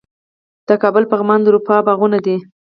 د کابل پغمان د اروپا باغونه دي